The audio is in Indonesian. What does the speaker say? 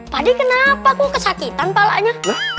pak de kenapa kok kesakitan palanya